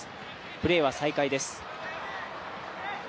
プレーは再開です。